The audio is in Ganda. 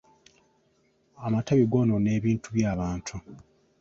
Amatabi goonoona ebintu by'abantu.